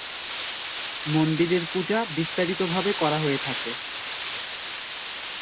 মন্দিরের পূজা বিস্তারিতভাবে করা হয়ে থাকে।